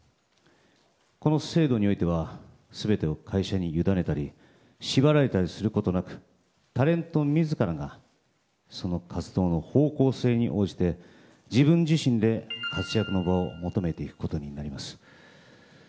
この制度においては全てを会社にゆだねたり縛られたりすることなくタレント自らがその活動の方向性に応じて自分自身で活躍の場を求めていくことになります。